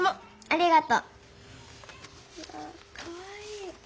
ありがとう。わっかわいい。